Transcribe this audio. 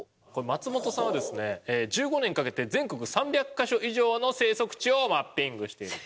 松本さんはですね１５年かけて全国３００カ所以上の生息地をマッピングしている。